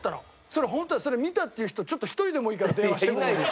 それ本当それ見たっていう人ちょっと１人でもいいから電話してここに。